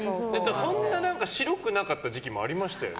そんな白くなかった時期もありましたよね。